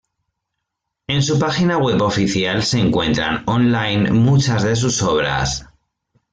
En su página web oficial se encuentran online muchas de sus obras.